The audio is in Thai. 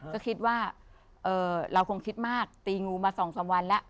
ก็คิดว่าเราคงคิดมากตีงูมา๒๓วันแล้ว